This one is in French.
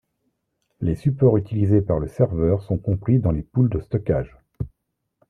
Les supports utilisés par le serveur sont compris dans des pools de stockage.